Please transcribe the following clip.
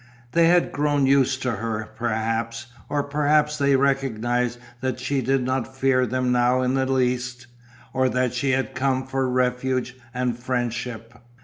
They had grown used to her, perhaps, or perhaps they recognized that she did not fear them now in the least, or that she had come for refuge and friendship.